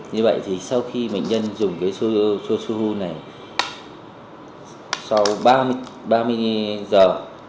như vậy sau khi bệnh nhân dùng sốt sốt huyết này sau ba mươi giờ